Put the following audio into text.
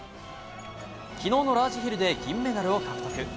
昨日のラージヒルで銀メダルを獲得。